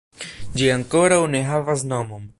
Ĝi ankoraŭ ne havas nomon.